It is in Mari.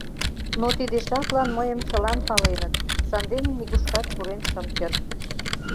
Но тиде жаплан мыйым чылан паленыт, сандене нигушкат пурен шым керт.